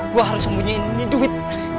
gue harus sembunyiin duit